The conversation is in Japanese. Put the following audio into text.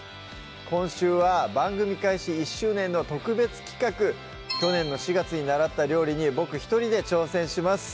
今週は番組開始１周年の特別企画去年の４月に習った料理に僕１人で挑戦します